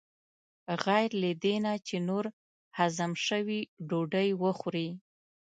غیر له دې نه چې نور هضم شوي ډوډۍ وخورې.